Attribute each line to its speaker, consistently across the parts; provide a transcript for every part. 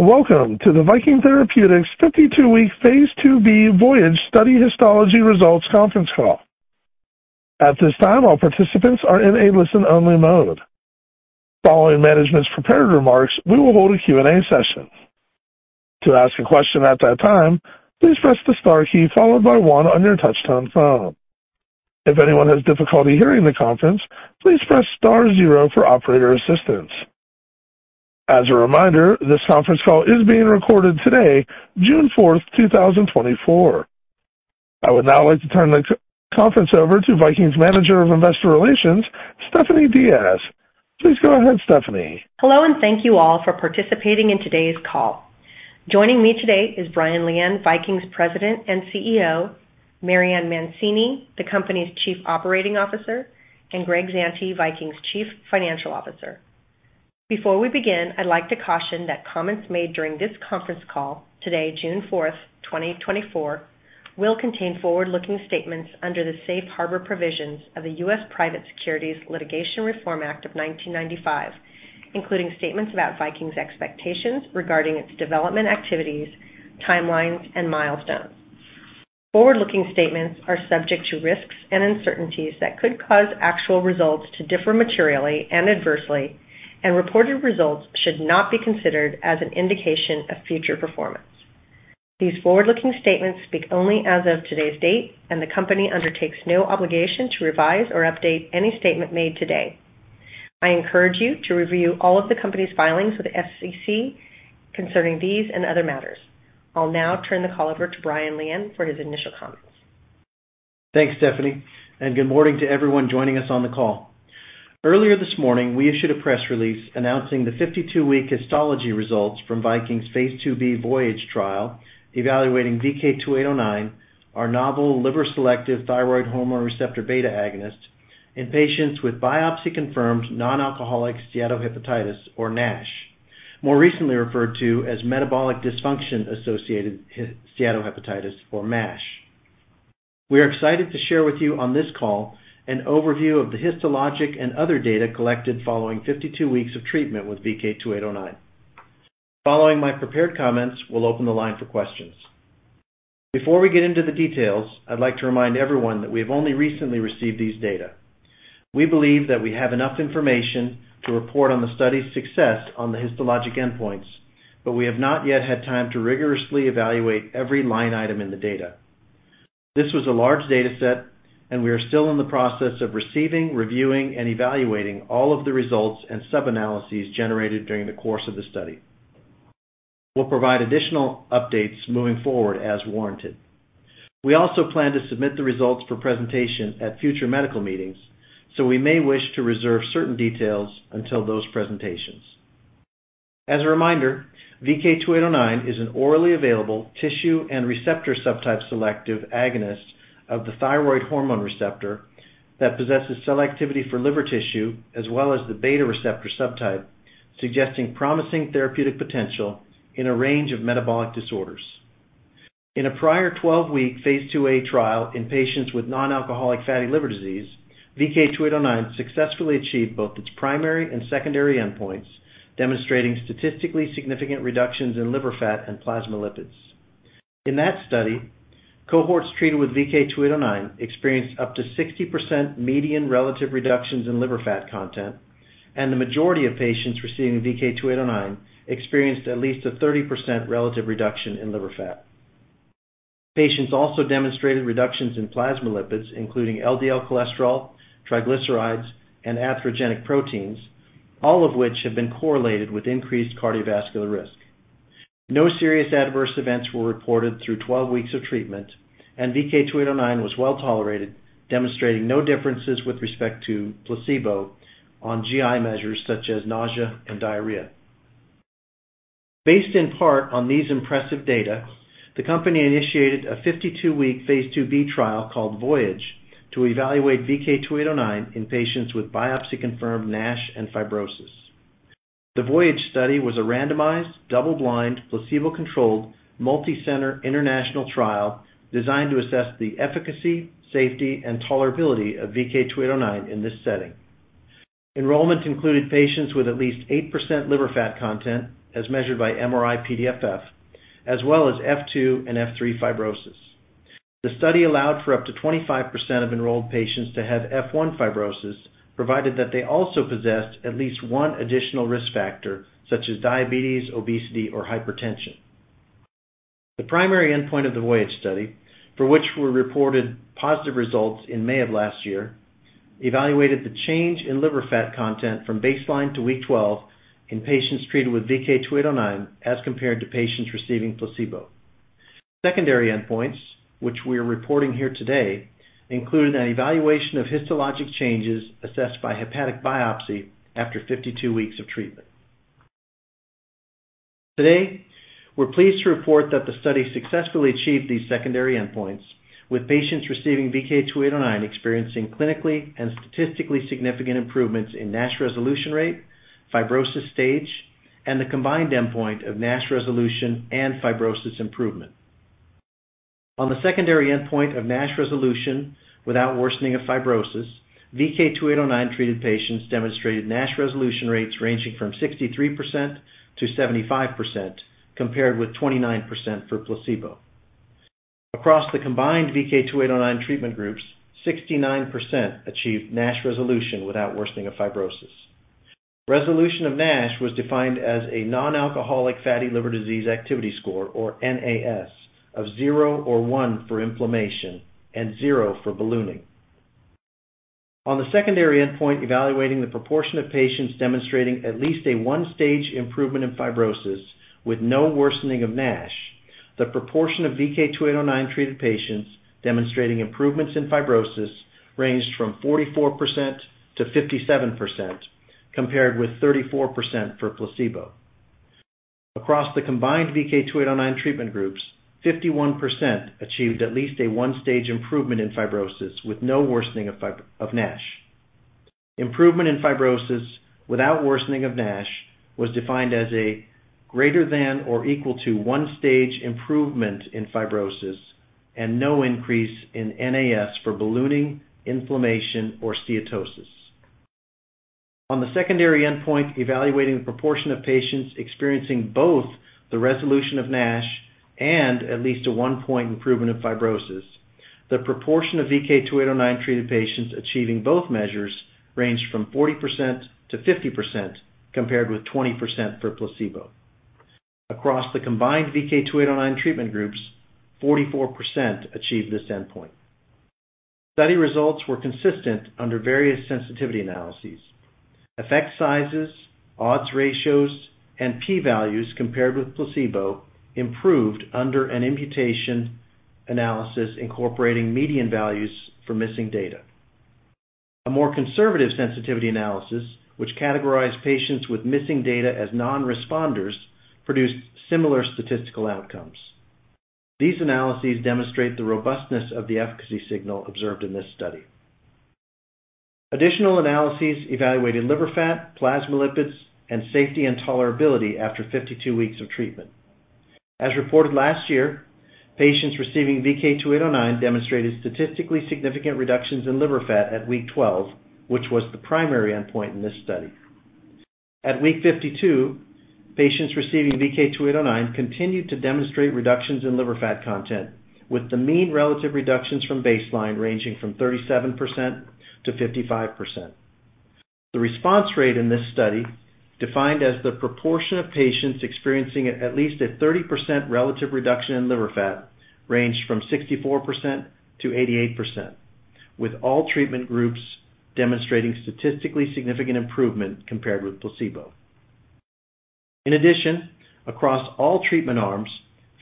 Speaker 1: Welcome to the Viking Therapeutics 52-week phase IIb VOYAGE Study Histology Results Conference Call. At this time, all participants are in a listen-only mode. Following management's prepared remarks, we will hold a Q&A session. To ask a question at that time, please press the star key followed by one on your touchtone phone. If anyone has difficulty hearing the conference, please press star zero for operator assistance. As a reminder, this conference call is being recorded today, June 4, 2024. I would now like to turn the conference over to Viking's Manager of Investor Relations, Stephanie Diaz. Please go ahead, Stephanie.
Speaker 2: Hello, and thank you all for participating in today's call. Joining me today is Brian Lian, Viking's President and CEO, Marianne Mancini, the company's Chief Operating Officer, and Greg Zante, Viking's Chief Financial Officer. Before we begin, I'd like to caution that comments made during this conference call, today, June 4th, 2024, will contain forward-looking statements under the Safe Harbor Provisions of the US Private Securities Litigation Reform Act of 1995, including statements about Viking's expectations regarding its development activities, timelines and milestones. Forward-looking statements are subject to risks and uncertainties that could cause actual results to differ materially and adversely, and reported results should not be considered as an indication of future performance. These forward-looking statements speak only as of today's date, and the company undertakes no obligation to revise or update any statement made today. I encourage you to review all of the company's filings with the SEC concerning these and other matters. I'll now turn the call over to Brian Lian for his initial comments.
Speaker 3: Thanks, Stephanie, and good morning to everyone joining us on the call. Earlier this morning, we issued a press release announcing the 52-week histology results from Viking's phase IIb VOYAGE trial, evaluating VK2809, our novel liver-selective thyroid hormone receptor beta agonist in patients with biopsy-confirmed Non-Alcoholic Steatohepatitis, or NASH, more recently referred to as Metabolic Dysfunction-associated Steatohepatitis, or MASH. We are excited to share with you on this call an overview of the histologic and other data collected following 52 weeks of treatment with VK2809. Following my prepared comments, we'll open the line for questions. Before we get into the details, I'd like to remind everyone that we have only recently received these data. We believe that we have enough information to report on the study's success on the histologic endpoints, but we have not yet had time to rigorously evaluate every line item in the data. This was a large data set, and we are still in the process of receiving, reviewing, and evaluating all of the results and sub-analyses generated during the course of the study. We'll provide additional updates moving forward as warranted. We also plan to submit the results for presentation at future medical meetings, so we may wish to reserve certain details until those presentations. As a reminder, VK2809 is an orally available tissue and receptor subtype selective agonist of the thyroid hormone receptor that possesses cell activity for liver tissue, as well as the beta receptor subtype, suggesting promising therapeutic potential in a range of metabolic disorders. In a prior 12-week phase IIa trial in patients with non-alcoholic fatty liver disease, VK2809 successfully achieved both its primary and secondary endpoints, demonstrating statistically significant reductions in liver fat and plasma lipids. In that study, cohorts treated with VK2809 experienced up to 60% median relative reductions in liver fat content, and the majority of patients receiving VK2809 experienced at least a 30% relative reduction in liver fat. Patients also demonstrated reductions in plasma lipids, including LDL cholesterol, triglycerides, and atherogenic proteins, all of which have been correlated with increased cardiovascular risk. No serious adverse events were reported through 12 weeks of treatment, and VK2809 was well tolerated, demonstrating no differences with respect to placebo on GI measures such as nausea and diarrhea. Based in part on these impressive data, the company initiated a 52-week phase IIb trial called VOYAGE to evaluate VK2809 in patients with biopsy-confirmed NASH and fibrosis. The VOYAGE study was a randomized, double-blind, placebo-controlled, multi-center international trial designed to assess the efficacy, safety, and tolerability of VK2809 in this setting. Enrollment included patients with at least 8% liver fat content, as measured by MRI-PDFF, as well as F2 and F3 fibrosis. The study allowed for up to 25% of enrolled patients to have F1 fibrosis, provided that they also possessed at least one additional risk factor, such as diabetes, obesity, or hypertension. The primary endpoint of the VOYAGE study, for which we reported positive results in May of last year, evaluated the change in liver fat content from baseline to week 12 in patients treated with VK2809, as compared to patients receiving placebo. Secondary endpoints, which we are reporting here today, included an evaluation of histologic changes assessed by hepatic biopsy after 52 weeks of treatment. Today, we're pleased to report that the study successfully achieved these secondary endpoints, with patients receiving VK2809 experiencing clinically and statistically significant improvements in NASH resolution rate, fibrosis stage, and the combined endpoint of NASH resolution and fibrosis improvement. On the secondary endpoint of NASH resolution without worsening of fibrosis, VK2809-treated patients demonstrated NASH resolution rates ranging from 63%-75%, compared with 29% for placebo. Across the combined VK2809 treatment groups, 69% achieved NASH resolution without worsening of fibrosis. Resolution of NASH was defined as a Nonalcoholic Fatty Liver Disease Activity Score, or NAS, of zero or one for inflammation and zero for ballooning. On the secondary endpoint, evaluating the proportion of patients demonstrating at least a one-stage improvement in fibrosis with no worsening of NASH, the proportion of VK2809-treated patients demonstrating improvements in fibrosis ranged from 44% to 57%, compared with 34% for placebo. Across the combined VK2809 treatment groups, 51% achieved at least a one-stage improvement in fibrosis with no worsening of NASH. Improvement in fibrosis without worsening of NASH was defined as a greater than or equal to one-stage improvement in fibrosis and no increase in NAS for ballooning, inflammation, or steatosis. On the secondary endpoint, evaluating the proportion of patients experiencing both the resolution of NASH and at least a one-point improvement of fibrosis, the proportion of VK2809-treated patients achieving both measures ranged from 40% to 50%, compared with 20% for placebo. Across the combined VK2809 treatment groups, 44% achieved this endpoint. Study results were consistent under various sensitivity analyses. Effect sizes, odds ratios, and P values compared with placebo improved under an imputation analysis incorporating median values for missing data. A more conservative sensitivity analysis, which categorized patients with missing data as non-responders, produced similar statistical outcomes. These analyses demonstrate the robustness of the efficacy signal observed in this study. Additional analyses evaluated liver fat, plasma lipids, and safety and tolerability after 52 weeks of treatment. As reported last year, patients receiving VK2809 demonstrated statistically significant reductions in liver fat at week 12, which was the primary endpoint in this study. At week 52, patients receiving VK2809 continued to demonstrate reductions in liver fat content, with the mean relative reductions from baseline ranging from 37%-55%. The response rate in this study, defined as the proportion of patients experiencing at least a 30% relative reduction in liver fat, ranged from 64%-88%, with all treatment groups demonstrating statistically significant improvement compared with placebo. In addition, across all treatment arms,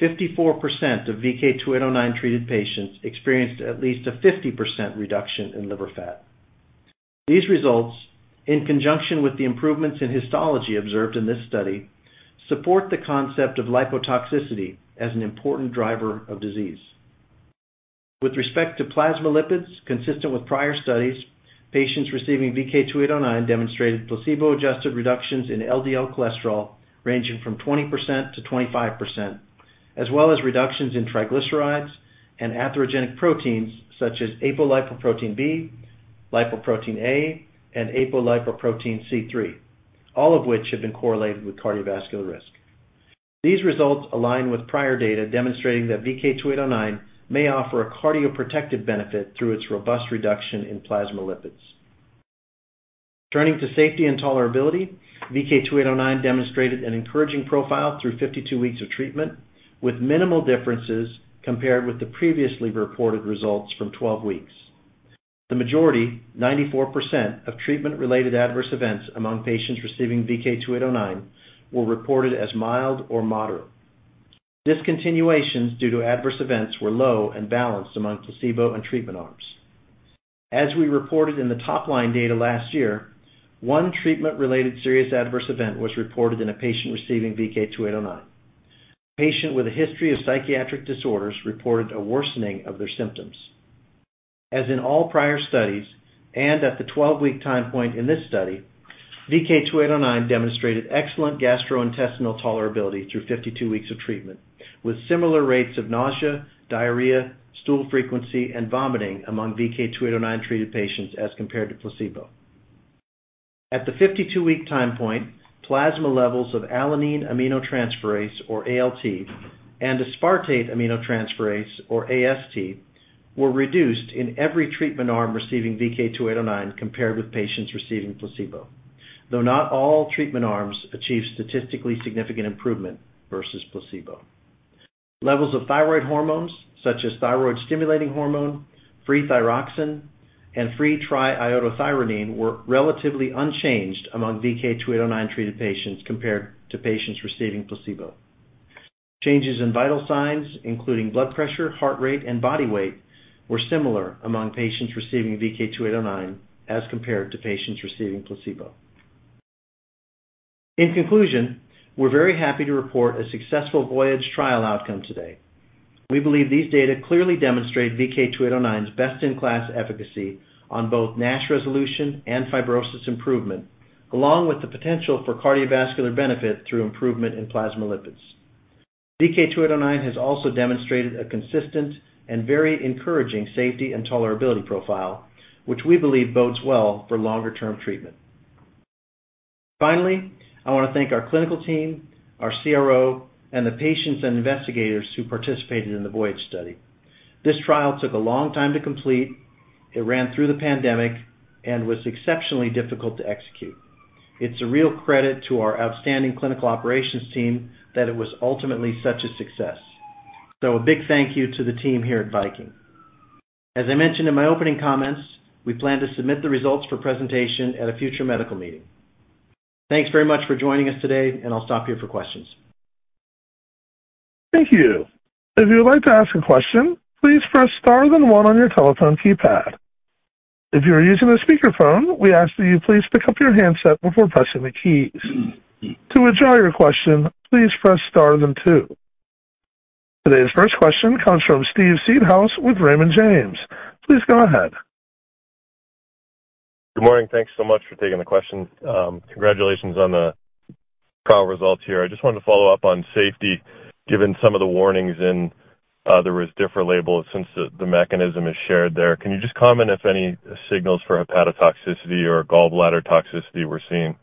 Speaker 3: 54% of VK2809-treated patients experienced at least a 50% reduction in liver fat. These results, in conjunction with the improvements in histology observed in this study, support the concept of lipotoxicity as an important driver of disease. With respect to plasma lipids, consistent with prior studies, patients receiving VK2809 demonstrated placebo-adjusted reductions in LDL cholesterol ranging from 20%-25%, as well as reductions in triglycerides and atherogenic proteins such as apolipoprotein B, lipoprotein(a), and apolipoprotein C-III, all of which have been correlated with cardiovascular risk. These results align with prior data demonstrating that VK2809 may offer a cardioprotective benefit through its robust reduction in plasma lipids. Turning to safety and tolerability, VK2809 demonstrated an encouraging profile through 52 weeks of treatment, with minimal differences compared with the previously reported results from 12 weeks. The majority, 94%, of treatment-related adverse events among patients receiving VK2809 were reported as mild or moderate. Discontinuations due to adverse events were low and balanced among placebo and treatment arms. As we reported in the top-line data last year, one treatment-related serious adverse event was reported in a patient receiving VK2809. A patient with a history of psychiatric disorders reported a worsening of their symptoms. As in all prior studies, and at the 12-week time point in this study, VK2809 demonstrated excellent gastrointestinal tolerability through 52 weeks of treatment, with similar rates of nausea, diarrhea, stool frequency, and vomiting among VK2809-treated patients as compared to placebo. At the 52-week time point, plasma levels of Alanine aminotransferase, or ALT, and Aspartate aminotransferase, or AST, were reduced in every treatment arm receiving VK2809 compared with patients receiving placebo, though not all treatment arms achieved statistically significant improvement versus placebo. Levels of thyroid hormones, such as thyroid-stimulating hormone, free thyroxine, and free triiodothyronine, were relatively unchanged among VK2809-treated patients compared to patients receiving placebo. Changes in vital signs, including blood pressure, heart rate, and body weight, were similar among patients receiving VK2809 as compared to patients receiving placebo. In conclusion, we're very happy to report a successful VOYAGE trial outcome today. We believe these data clearly demonstrate VK2809's best-in-class efficacy on both NASH resolution and fibrosis improvement, along with the potential for cardiovascular benefit through improvement in plasma lipids. VK2809 has also demonstrated a consistent and very encouraging safety and tolerability profile, which we believe bodes well for longer-term treatment. Finally, I want to thank our clinical team, our CRO, and the patients and investigators who participated in the VOYAGE study. This trial took a long time to complete. It ran through the pandemic and was exceptionally difficult to execute. It's a real credit to our outstanding clinical operations team that it was ultimately such a success. So a big thank you to the team here at Viking. As I mentioned in my opening comments, we plan to submit the results for presentation at a future medical meeting. Thanks very much for joining us today, and I'll stop here for questions.
Speaker 1: Thank you. If you would like to ask a question, please press star then one on your telephone keypad. If you are using a speakerphone, we ask that you please pick up your handset before pressing the keys. To withdraw your question, please press star then two. Today's first question comes from Steve Seedhouse with Raymond James. Please go ahead.
Speaker 4: Good morning. Thanks so much for taking the question. Congratulations on the call results here. I just wanted to follow up on safety, given some of the warnings in the Rezdiffra label, since the mechanism is shared there. Can you just comment if any signals for hepatotoxicity or gallbladder toxicity were seen?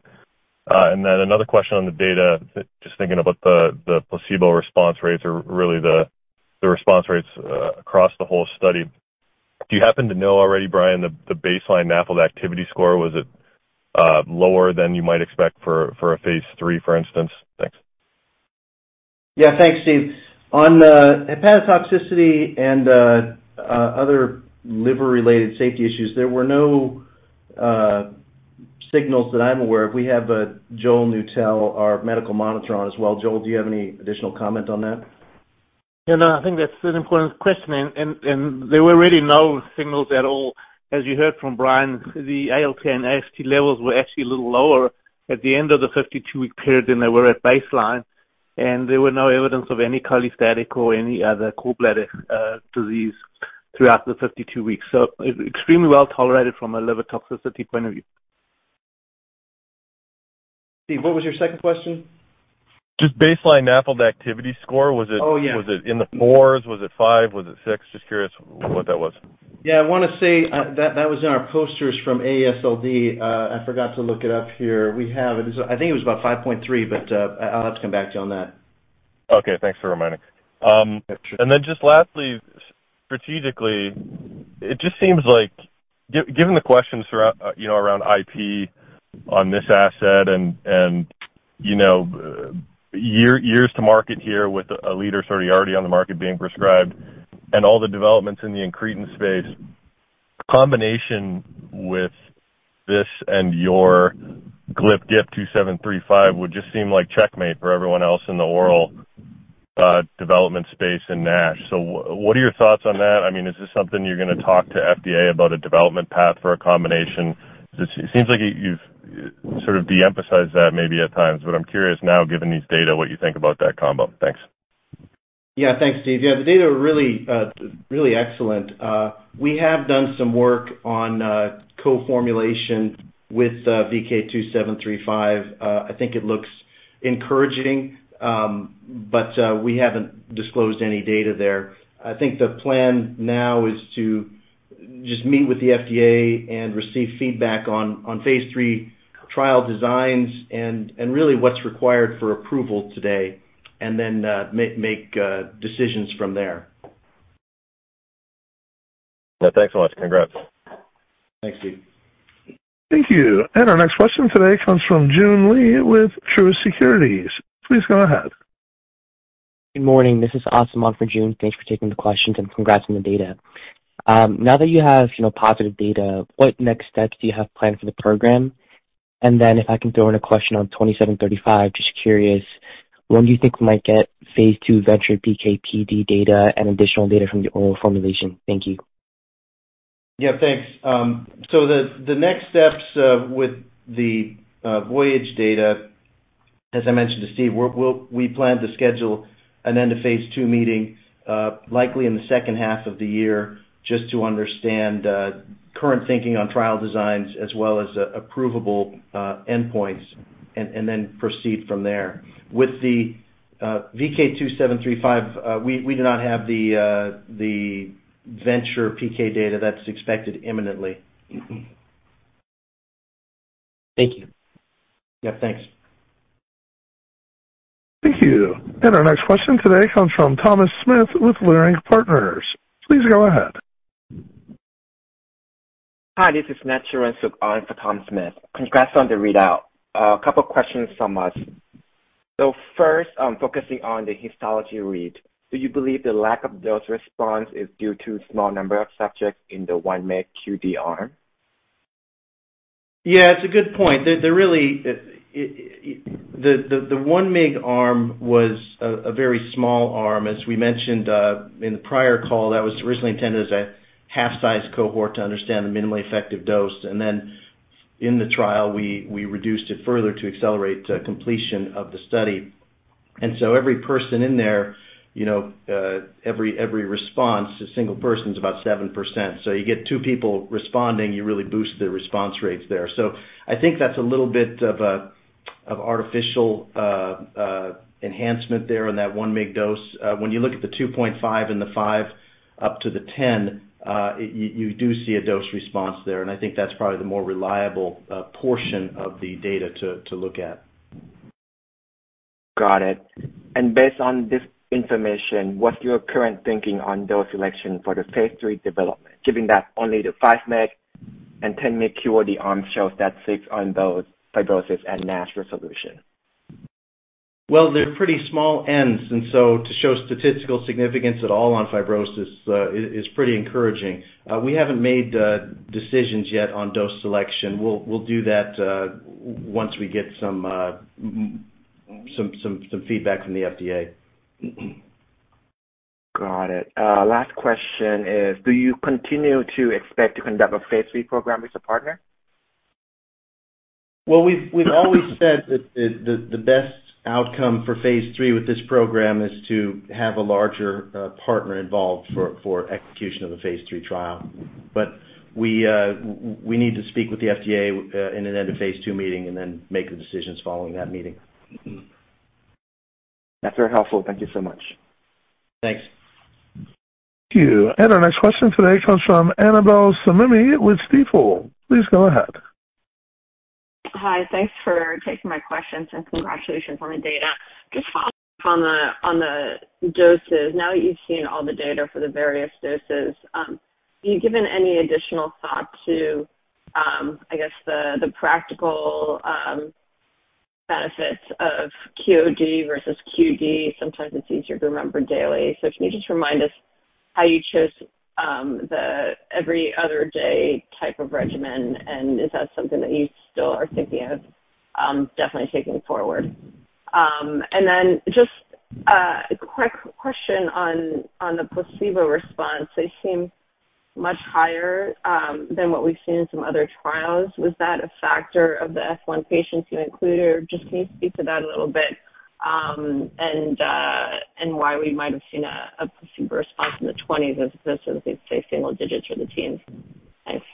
Speaker 4: And then another question on the data, just thinking about the placebo response rates are really the response rates across the whole study. Do you happen to know already, Brian, the baseline NAFLD Activity Score, was it lower than you might expect for a phase III, for instance? Thanks.
Speaker 3: Yeah, thanks, Steve. On the hepatotoxicity and, other liver-related safety issues, there were no, signals that I'm aware of. We have, Joel Neutel, our medical monitor, on as well. Joel, do you have any additional comment on that?
Speaker 5: Yeah, no, I think that's an important question, and, and, and there were really no signals at all. As you heard from Brian, the ALT and AST levels were actually a little lower at the end of the 52-week period than they were at baseline, and there were no evidence of any cholestatic or any other gallbladder disease throughout the 52 weeks. So extremely well tolerated from a liver toxicity point of view.
Speaker 3: Steve, what was your second question?
Speaker 4: Just baseline NAFLD Activity Score.
Speaker 3: Oh, yeah.
Speaker 4: Was it, was it in the fours? Was it five? Was it six? Just curious what that was.
Speaker 3: Yeah. I want to say, that was in our posters from AASLD. I forgot to look it up here. We have it. I think it was about 5.3, but, I'll have to come back to you on that.
Speaker 4: Okay, thanks for reminding. And then just lastly, strategically, it just seems like given the questions around, you know, around IP on this asset and, and, you know, years to market here with a leader already on the market being prescribed and all the developments in the incretin space, combination with this and your VK2735 would just seem like checkmate for everyone else in the oral development space in NASH. So what are your thoughts on that? I mean, is this something you're going to talk to FDA about a development path for a combination? It seems like you've sort of de-emphasized that maybe at times, but I'm curious now, given these data, what you think about that combo. Thanks.
Speaker 3: Yeah, thanks, Steve. Yeah, the data are really, really excellent. We have done some work on co-formulation with VK2735. I think it looks encouraging, but we haven't disclosed any data there. I think the plan now is to just meet with the FDA and receive feedback on phase III trial designs and really what's required for approval today, and then make decisions from there.
Speaker 4: Yeah. Thanks a lot. Congrats.
Speaker 3: Thanks, Steve.
Speaker 1: Thank you. Our next question today comes from Joon Lee with Truist Securities. Please go ahead.
Speaker 6: Good morning. This is Ahsan for Joon. Thanks for taking the questions, and congrats on the data. Now that you have, you know, positive data, what next steps do you have planned for the program? And then if I can throw in a question on 2735, just curious, when do you think we might get phase II VENTURE PK/PD data and additional data from the oral formulation? Thank you.
Speaker 3: Yeah, thanks. So the next steps with the VOYAGE data, as I mentioned to Steve, we plan to schedule an end-of-phase II meeting, likely in the second half of the year, just to understand current thinking on trial designs as well as approvable endpoints, and then proceed from there. With the VK2735, we do not have the VENTURE PK data. That's expected imminently.
Speaker 6: Thank you.
Speaker 3: Yeah, thanks.
Speaker 1: Thank you. And our next question today comes from Thomas Smith with Leerink Partners. Please go ahead.
Speaker 7: Hi, this is Natsuhiko Masuda on for Thomas Smith. Congrats on the readout. A couple of questions from us. So first, focusing on the histology read, do you believe the lack of dose response is due to small number of subjects in the 1 mg QD arm?
Speaker 3: Yeah, it's a good point. The really, the 1 mg arm was a very small arm. As we mentioned in the prior call, that was originally intended as a half-size cohort to understand the minimally effective dose, and then in the trial, we reduced it further to accelerate completion of the study. And so every person in there, you know, every response to a single person is about 7%. So you get two people responding, you really boost the response rates there. So I think that's a little bit of artificial enhancement there on that 1 mg dose. When you look at the 2.5 and the five up to the 10, you do see a dose response there, and I think that's probably the more reliable portion of the data to look at.
Speaker 7: Got it. And based on this information, what's your current thinking on dose selection for the phase III development, given that only the 5 mg and 10 mg QOD arm shows that six on dose fibrosis and NASH resolution?
Speaker 3: Well, they're pretty small ends, and so to show statistical significance at all on fibrosis is pretty encouraging. We haven't made decisions yet on dose selection. We'll do that once we get some feedback from the FDA.
Speaker 7: Got it. Last question is: Do you continue to expect to conduct a phase III program with a partner?
Speaker 3: Well, we've always said that the best outcome for phase III with this program is to have a larger partner involved for execution of a phase III trial. But we need to speak with the FDA in an end of phase II meeting and then make the decisions following that meeting.
Speaker 7: That's very helpful. Thank you so much.
Speaker 3: Thanks.
Speaker 1: Thank you. And our next question today comes from Annabel Samimy with Stifel. Please go ahead.
Speaker 8: Hi. Thanks for taking my questions, and congratulations on the data. Just following up on the doses. Now that you've seen all the data for the various doses, have you given any additional thought to, I guess the practical benefits of QOD versus QD? Sometimes it's easier to remember daily. So can you just remind us how you chose the every other day type of regimen, and is that something that you still are thinking of definitely taking forward? And then just a quick question on the placebo response. It seemed much higher than what we've seen in some other trials. Was that a factor of the F1 patients you included, or just can you speak to that a little bit, and why we might have seen a placebo response in the 20s, as opposed to, say, single digits or the teens? Thanks.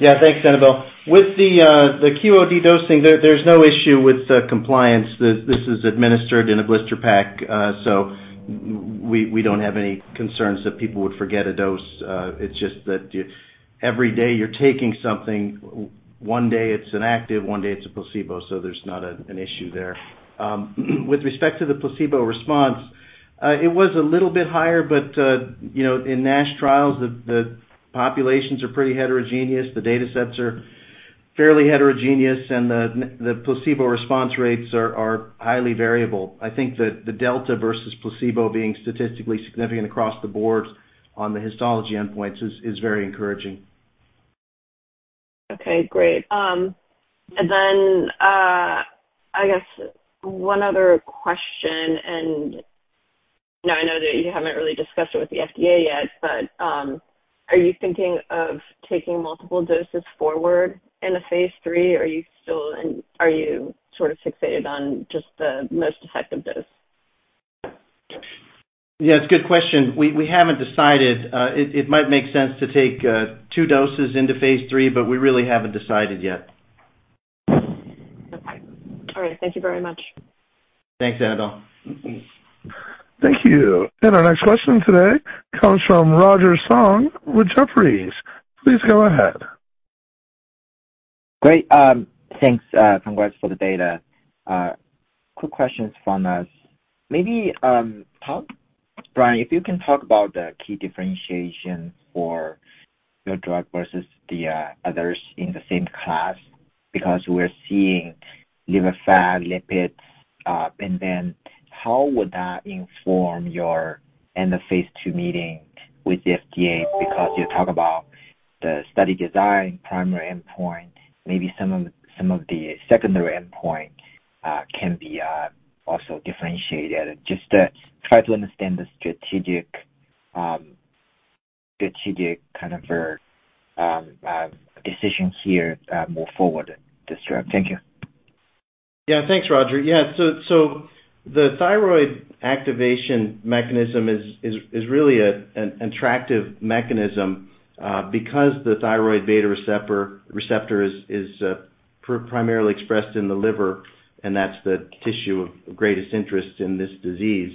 Speaker 3: Yeah, thanks, Annabel. With the QOD dosing, there's no issue with compliance. This is administered in a blister pack, so we don't have any concerns that people would forget a dose. It's just that every day you're taking something, one day it's inactive, one day it's a placebo, so there's not an issue there. With respect to the placebo response, it was a little bit higher, but you know, in NASH trials, the populations are pretty heterogeneous, the datasets are fairly heterogeneous, and the placebo response rates are highly variable. I think that the delta versus placebo being statistically significant across the board on the histology endpoints is very encouraging.
Speaker 8: Okay, great. And then, I guess one other question, and now I know that you haven't really discussed it with the FDA yet, but, are you thinking of taking multiple doses forward in a phase III, or are you sort of fixated on just the most effective dose?
Speaker 3: Yeah, it's a good question. We haven't decided. It might make sense to take two doses into phase III, but we really haven't decided yet.
Speaker 8: Okay. All right. Thank you very much.
Speaker 3: Thanks, Annabelle.
Speaker 1: Thank you. Our next question today comes from Roger Song with Jefferies. Please go ahead.
Speaker 9: Great. Thanks, congrats for the data. Quick questions from us. Maybe, to, Brian, if you can talk about the key differentiation for your drug versus the others in the same class, because we're seeing liver fat, lipids, and then how would that inform your end of phase II meeting with the FDA? Because you talk about the study design, primary endpoint, maybe some of, some of the secondary endpoint can be also differentiated. Just try to understand the strategic, strategic kind of decision here more forward this drug. Thank you.
Speaker 3: Yeah, thanks, Roger. Yeah, so the thyroid activation mechanism is really an attractive mechanism because the thyroid beta receptor is primarily expressed in the liver, and that's the tissue of greatest interest in this disease.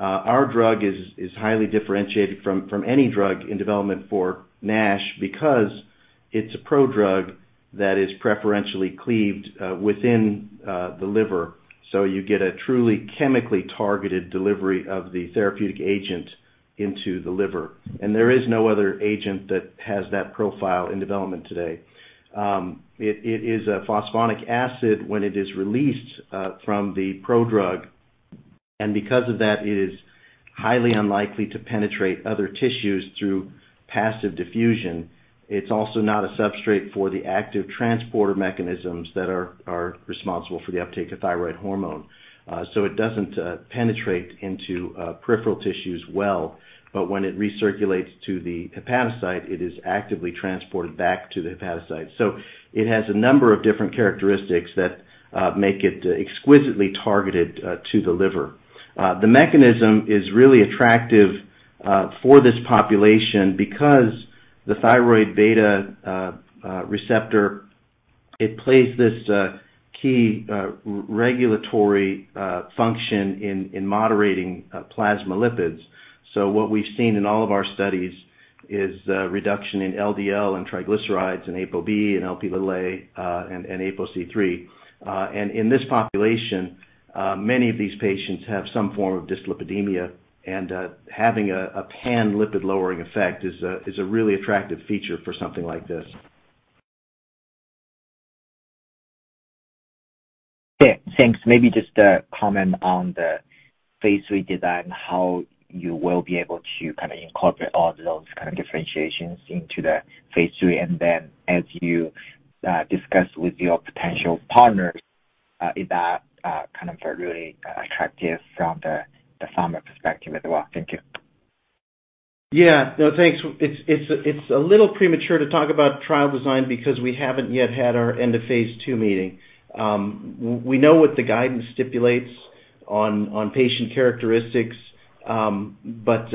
Speaker 3: Our drug is highly differentiated from any drug in development for NASH because it's a prodrug that is preferentially cleaved within the liver. So you get a truly chemically targeted delivery of the therapeutic agent into the liver, and there is no other agent that has that profile in development today. It is a phosphonic acid when it is released from the prodrug, and because of that, it is highly unlikely to penetrate other tissues through passive diffusion. It's also not a substrate for the active transporter mechanisms that are responsible for the uptake of thyroid hormone. So it doesn't penetrate into peripheral tissues well, but when it recirculates to the hepatocyte, it is actively transported back to the hepatocyte. So it has a number of different characteristics that make it exquisitely targeted to the liver. The mechanism is really attractive for this population, because the thyroid beta receptor plays this key regulatory function in moderating plasma lipids. So what we've seen in all of our studies is a reduction in LDL and triglycerides and ApoB and Lp(a) and ApoC-III. In this population, many of these patients have some form of dyslipidemia, and having a pan-lipid-lowering effect is a really attractive feature for something like this.
Speaker 9: Yeah, thanks. Maybe just a comment on the phase III design, how you will be able to kind of incorporate all those kind of differentiations into the phase III. And then as you discuss with your potential partners, is that kind of a really attractive from the pharma perspective as well? Thank you.
Speaker 3: Yeah. No, thanks. It's a little premature to talk about trial design because we haven't yet had our end of phase II meeting. We know what the guidance stipulates on patient characteristics, but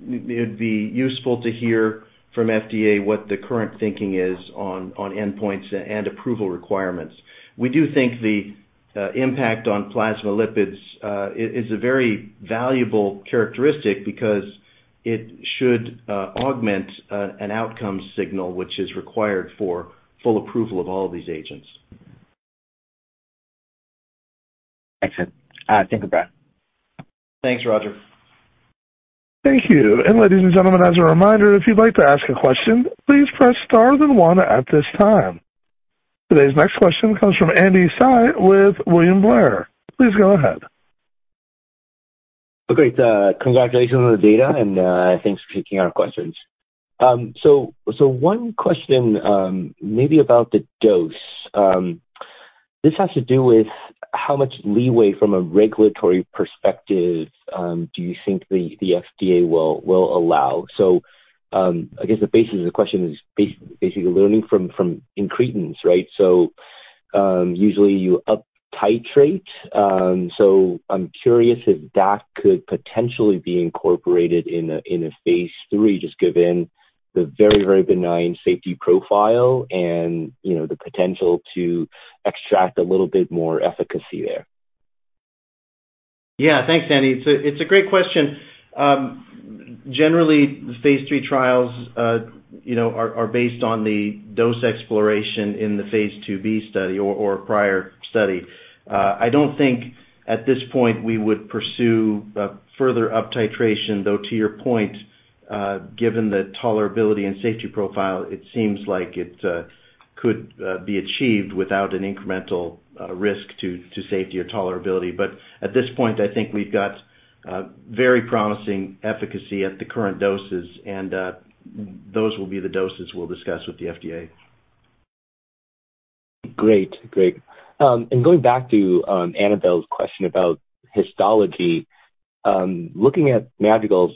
Speaker 3: it'd be useful to hear from FDA what the current thinking is on endpoints and approval requirements. We do think the impact on plasma lipids is a very valuable characteristic because it should augment an outcome signal, which is required for full approval of all of these agents.
Speaker 9: Excellent. Thank you, Brad.
Speaker 3: Thanks, Roger.
Speaker 1: Thank you. And ladies and gentlemen, as a reminder, if you'd like to ask a question, please press Star then One at this time. Today's next question comes from Andy Tsai with William Blair. Please go ahead.
Speaker 10: Okay, congratulations on the data, and thanks for taking our questions. So, one question, maybe about the dose. This has to do with how much leeway from a regulatory perspective, do you think the FDA will allow? So, I guess the basis of the question is basically learning from incretins, right? So, usually you uptitrate. I'm curious if that could potentially be incorporated in a phase III, just given the very, very benign safety profile and, you know, the potential to extract a little bit more efficacy there.
Speaker 3: Yeah. Thanks, Andy. It's a great question. Generally, the phase III trials, you know, are based on the dose exploration in the phase IIb study or a prior study. I don't think at this point we would pursue a further uptitration, though, to your point, given the tolerability and safety profile, it seems like it could be achieved without an incremental risk to safety or tolerability. But at this point, I think we've got very promising efficacy at the current doses, and those will be the doses we'll discuss with the FDA.
Speaker 10: Great. Great. And going back to Annabel's question about histology, looking at Madrigal's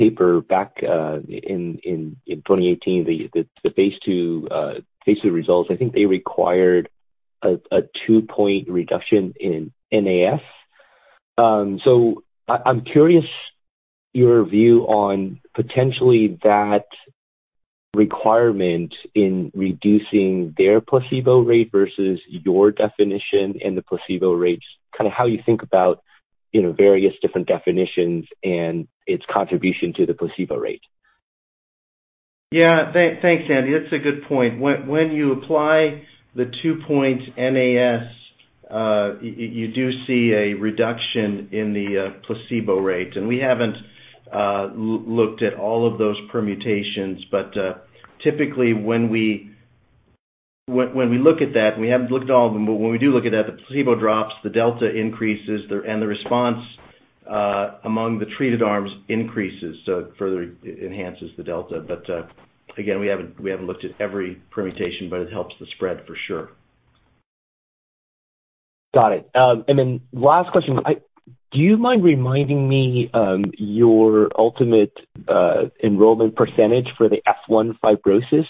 Speaker 10: paper back in 2018, the phase II results, I think they required a two-point reduction in NAS. So I'm curious your view on potentially that requirement in reducing their placebo rate versus your definition and the placebo rates, kind of how you think about, you know, various different definitions and its contribution to the placebo rate.
Speaker 3: Yeah. Thanks, Andy. That's a good point. When you apply the two-point NAS, you do see a reduction in the placebo rate. And we haven't looked at all of those permutations, but typically, when we look at that, and we haven't looked at all of them, but when we do look at that, the placebo drops, the delta increases, and the response among the treated arms increases, so it further enhances the delta. But again, we haven't looked at every permutation, but it helps the spread for sure.
Speaker 10: Got it. And then last question, do you mind reminding me your ultimate enrollment percentage for the F1 fibrosis?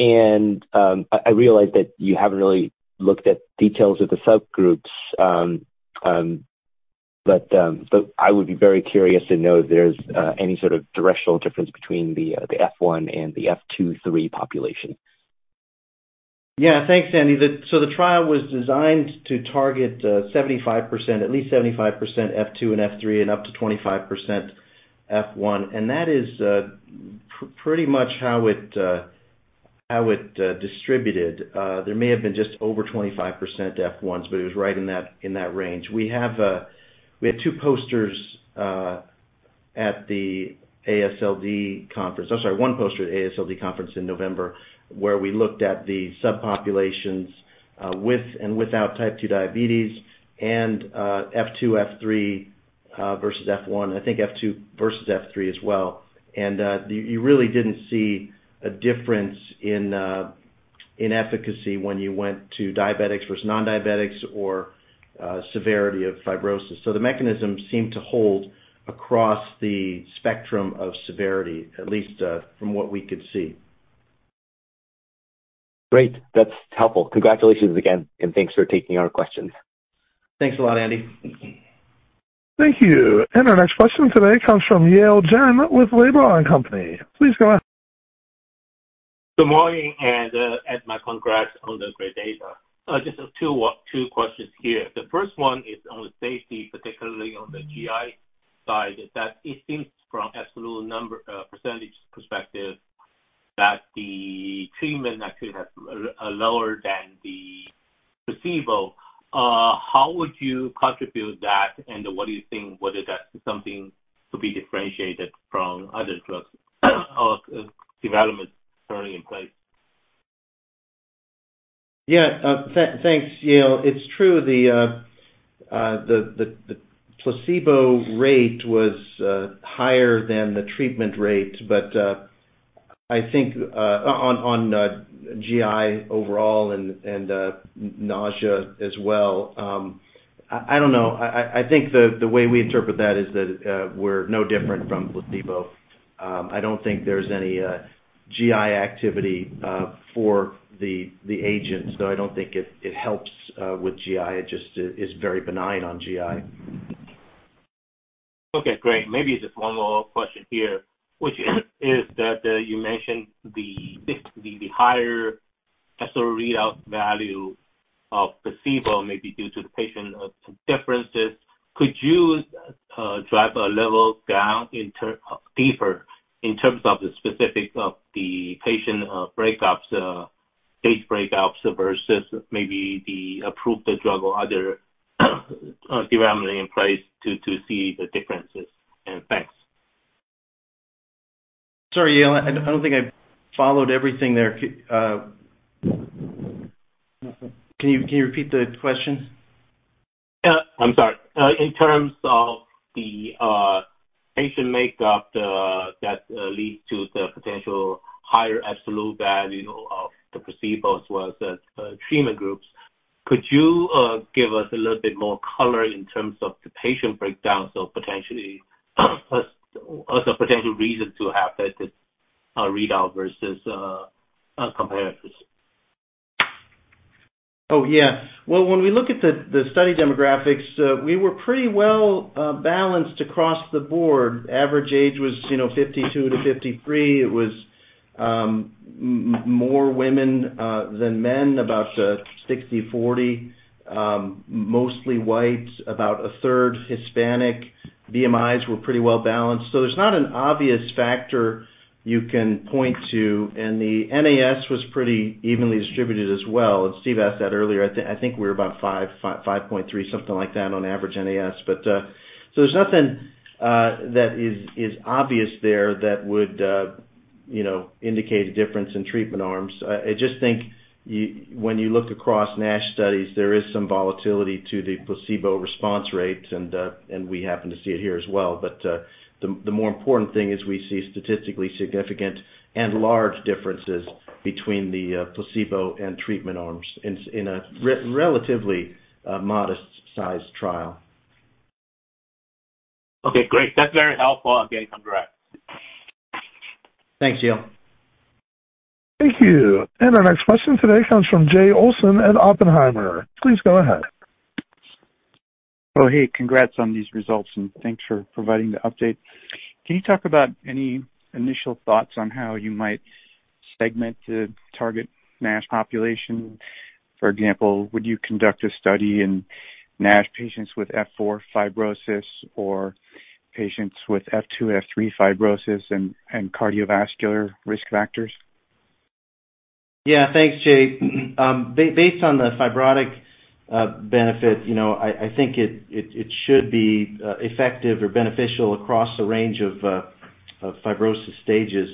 Speaker 10: And I realize that you haven't really looked at details of the subgroups, but I would be very curious to know if there's any sort of directional difference between the F1 and the F2-3 population.
Speaker 3: Yeah. Thanks, Andy. So the trial was designed to target, 75%, at least 75% F2 and F3 and up to 25% F1, and that is, pretty much how it distributed. There may have been just over 25% F1s, but it was right in that range. We have, we had two posters, at the AASLD conference. I'm sorry, one poster at the AASLD conference in November, where we looked at the subpopulations, with and without type two diabetes and, F2, F3, versus F1, I think F2 versus F3 as well. And, you really didn't see a difference in, in efficacy when you went to diabetics versus non-diabetics or, severity of fibrosis. So the mechanism seemed to hold across the spectrum of severity, at least, from what we could see.
Speaker 10: Great. That's helpful. Congratulations again, and thanks for taking our questions.
Speaker 3: Thanks a lot, Andy.
Speaker 1: Thank you. Our next question today comes from Yale Jen with Laidlaw & Company. Please go ahead.
Speaker 11: Good morning, and my congrats on the great data. Just two questions here. The first one is on safety, particularly on the GI side, that it seems from absolute number, percentage perspective, that the treatment actually has lower than the placebo. How would you attribute that, and what do you think, whether that's something to be differentiated from other drugs or developments currently in place?
Speaker 3: Yeah. Thanks, Yale. It's true, the placebo rate was higher than the treatment rate, but I think on GI overall and nausea as well, I think the way we interpret that is that we're no different from placebo. I don't think there's any GI activity for the agent, so I don't think it helps with GI. It just is very benign on GI.
Speaker 11: Okay, great. Maybe just one more question here, which is that you mentioned the higher SO readout value of placebo, maybe due to the patient differences. Could you drive a level down deeper in terms of the specifics of the patient breakups, base breakups, versus maybe the approved drug or other development in place to see the differences? And thanks.
Speaker 3: Sorry, Yale, I don't think I followed everything there. Can you repeat the question?
Speaker 11: Yeah, I'm sorry. In terms of the patient makeup, that leads to the potential higher absolute value of the placebo vs. the treatment groups. Could you give us a little bit more color in terms of the patient breakdown, so potentially as a potential reason to have that readout versus comparisons?
Speaker 3: Oh, yeah. Well, when we look at the study demographics, we were pretty well balanced across the board. Average age was, you know, 52-53. It was more women than men, about 60/40. Mostly whites, about a third Hispanic. BMIs were pretty well balanced, so there's not an obvious factor you can point to. And the NAS was pretty evenly distributed as well. And Steve asked that earlier. I think we're about 5.5, 5.3, something like that, on average NAS. But so there's nothing that is obvious there that would, you know, indicate a difference in treatment arms. I just think when you look across NASH studies, there is some volatility to the placebo response rates, and and we happen to see it here as well. But, the more important thing is we see statistically significant and large differences between the placebo and treatment arms in a relatively modest-sized trial.
Speaker 11: Okay, great. That's very helpful. Again, congrats.
Speaker 3: Thanks, Yale.
Speaker 1: Thank you. And our next question today comes from Jay Olson at Oppenheimer. Please go ahead.
Speaker 12: Oh, hey, congrats on these results, and thanks for providing the update. Can you talk about any initial thoughts on how you might segment the target NASH population? For example, would you conduct a study in NASH patients with F4 fibrosis or patients with F2, F3 fibrosis and cardiovascular risk factors?
Speaker 3: Yeah, thanks, Jay. Based on the fibrotic benefit, you know, I think it should be effective or beneficial across a range of fibrosis stages.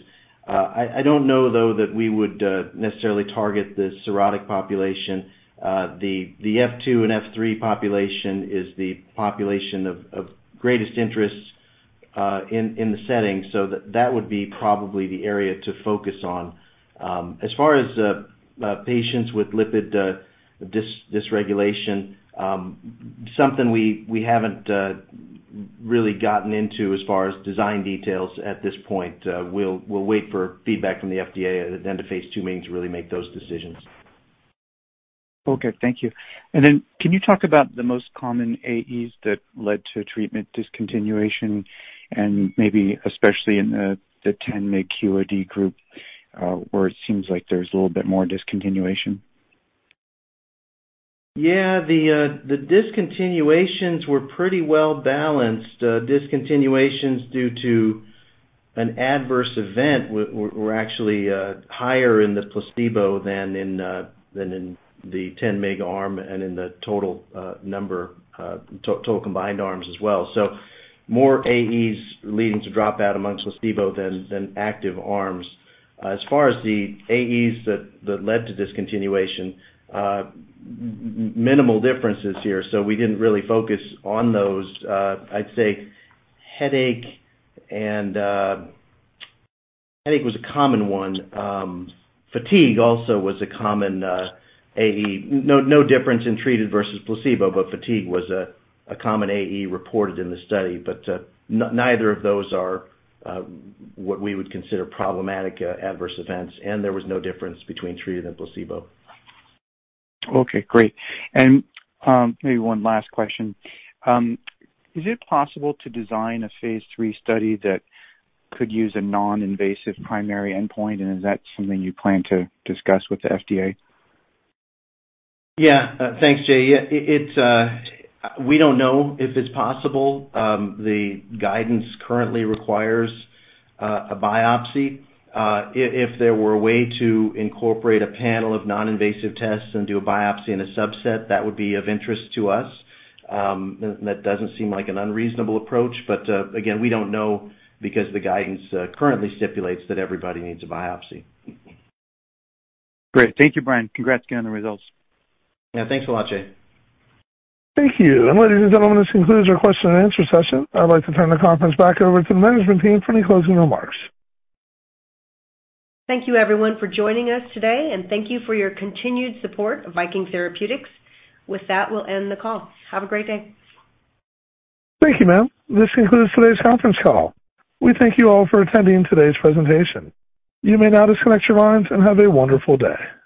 Speaker 3: I don't know, though, that we would necessarily target the cirrhotic population. The F2 and F3 population is the population of greatest interest in the setting, so that would be probably the area to focus on. As far as patients with lipid dysregulation, something we haven't really gotten into as far as design details at this point. We'll wait for feedback from the FDA at the end of phase II meeting to really make those decisions.
Speaker 12: Okay, thank you. And then, can you talk about the most common AEs that led to treatment discontinuation, and maybe especially in the, the 10 mg QOD group, where it seems like there's a little bit more discontinuation?
Speaker 3: Yeah. The discontinuations were pretty well balanced. Discontinuations due to an adverse event were actually higher in the placebo than in the 10 mg arm and in the total number total combined arms as well. So more AEs leading to dropout amongst placebo than active arms. As far as the AEs that led to discontinuation, minimal differences here, so we didn't really focus on those. I'd say headache and... Headache was a common one. Fatigue also was a common AE. No difference in treated versus placebo, but fatigue was a common AE reported in the study. But neither of those are what we would consider problematic adverse events, and there was no difference between treated and placebo.
Speaker 12: Okay, great. And, maybe one last question: Is it possible to design a phase III study that could use a non-invasive primary endpoint, and is that something you plan to discuss with the FDA?
Speaker 3: Yeah. Thanks, Jay. Yeah, it's we don't know if it's possible. The guidance currently requires a biopsy. If there were a way to incorporate a panel of non-invasive tests and do a biopsy in a subset, that would be of interest to us. That doesn't seem like an unreasonable approach, but again, we don't know because the guidance currently stipulates that everybody needs a biopsy.
Speaker 12: Great. Thank you, Brian. Congrats again on the results.
Speaker 3: Yeah, thanks a lot, Jay.
Speaker 1: Thank you. Ladies and gentlemen, this concludes our question and answer session. I'd like to turn the conference back over to the management team for any closing remarks.
Speaker 2: Thank you, everyone, for joining us today, and thank you for your continued support of Viking Therapeutics. With that, we'll end the call. Have a great day.
Speaker 1: Thank you, ma'am. This concludes today's conference call. We thank you all for attending today's presentation. You may now disconnect your lines and have a wonderful day.